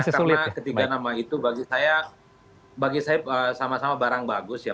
karena ketiga nama itu bagi saya bagi saya sama sama barang bagus ya